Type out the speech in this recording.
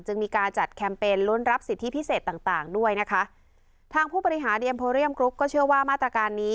มีการจัดแคมเปญลุ้นรับสิทธิพิเศษต่างต่างด้วยนะคะทางผู้บริหารดีเอ็มโพเรียมกรุ๊ปก็เชื่อว่ามาตรการนี้